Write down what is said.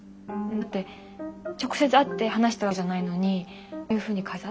だって直接会って話したわけじゃないのにああいうふうに書いてさ。